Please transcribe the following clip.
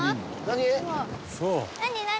何？